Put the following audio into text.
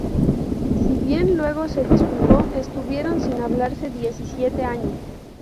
Si bien luego se disculpó, estuvieron sin hablarse diecisiete años.